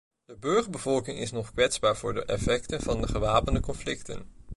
De burgerbevolking is nog kwetsbaar voor de effecten van de gewapende conflicten.